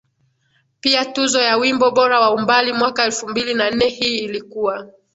pia tuzo ya Wimbo Bora wa umbali mwaka elfu mbili na nne hii ilikuwa